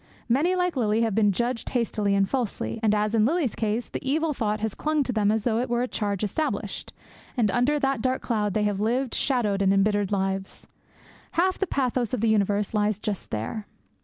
Many, like Lily, have been judged hastily and falsely, and, as in Lily's case, the evil thought has clung to them as though it were a charge established, and under that dark cloud they have lived shadowed and embittered lives. Half the pathos of the universe lies just there.